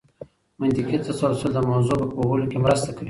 منطقي تسلسل د موضوع په پوهولو کي مرسته کوي.